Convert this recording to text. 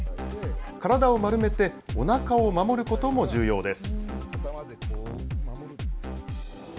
体を丸めておなかを守ることも重要です。